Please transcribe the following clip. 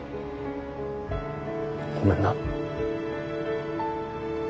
ごめんな。